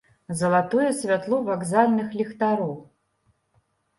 Залатое святло вакзальных ліхтароў.